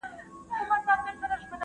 الله تعالی عادل دی.